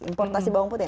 importasi bawang putih